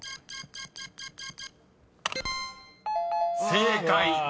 ［正解！